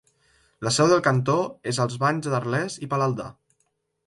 La seu del cantó és als Banys d'Arles i Palaldà.